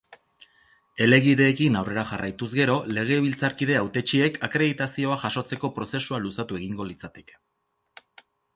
Helegiteekin aurrera jarriatuz gero, legebiltzarkide hautetsiek akreditazioa jasotzeko prozesua luzatu egingo litzateke.